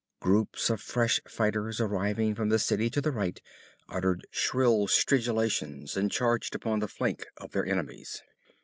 Groups of fresh fighters arriving from the city to the right uttered shrill stridulations and charged upon the flank of their enemies.